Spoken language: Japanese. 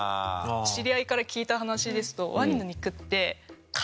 知り合いから聞いた話ですとワニの肉って。